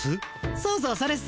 そうそうそれっす。